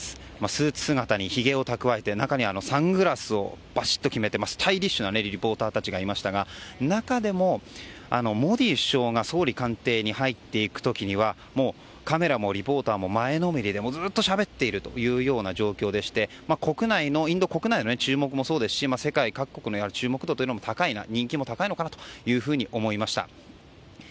スーツ姿にひげを蓄えて中にはサングラスをバシッと決めてスタイリッシュなリポーターたちがいましたが中でも、モディ首相が総理官邸に入っていく時にはカメラもリポーターも前のめりでずっとしゃべっているというような状況でしてインド国内の注目もそうですし世界各国の注目度、人気も高いのかなと感じました。